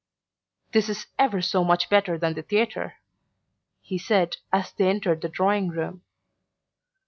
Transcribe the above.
"This is ever so much better than the theatre," he said as they entered the drawing room.